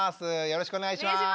よろしくお願いします。